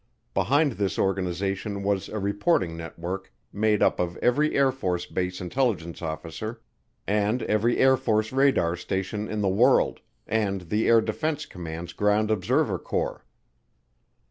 Behind this organization was a reporting network made up of every Air Force base intelligence officer and every Air Force radar station in the world, and the Air Defense Command's Ground Observer Corps.